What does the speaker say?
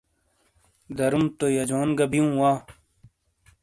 دروم تو یجون گہ بیئوں وا۔